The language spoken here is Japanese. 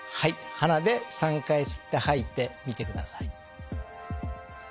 鼻で３回吸って吐いてみてください。